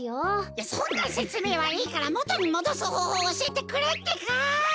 いやそんなせつめいはいいからもとにもどすほうほうをおしえてくれってか！